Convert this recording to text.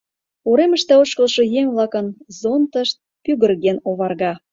Уремыште ошкылшо еҥ-влакын зонтышт пӱгырген оварга.